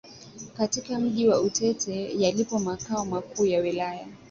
katika Mji wa Utete yalipo Makao Makuu ya wilaya